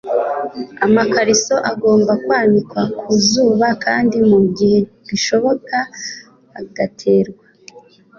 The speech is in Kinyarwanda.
amakariso agomba kwanikwa ku zuba kandi mu gihe bishoboka agaterwa